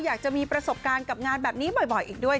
อยากจะมีประสบการณ์กับงานแบบนี้บ่อยอีกด้วย